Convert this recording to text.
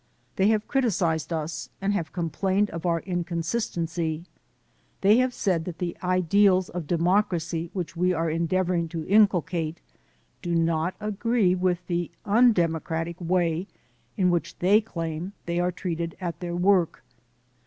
They have criticised us and have complained of our inconsistency; they have said that the ideals of democracy which we are endeavoring to incul cate do not agree with the undemocratic way in which they claim they are treated at their work.